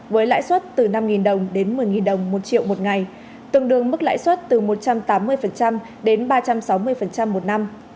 với lãi suất từ năm đồng đến một mươi đồng một triệu một ngày tương đương mức lãi suất từ một trăm tám mươi đến ba trăm sáu mươi một năm